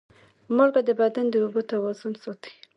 مالګه د بدن د اوبو توازن ساتي.